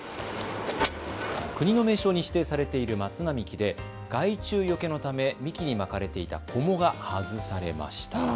国の名勝に指定されている松並木で害虫よけのため幹にまかれていたこもが外されました。